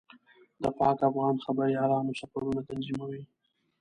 د پاک افغان خبریالانو سفرونه تنظیموي.